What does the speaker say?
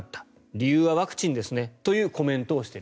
理由はワクチンですねというコメントをしている。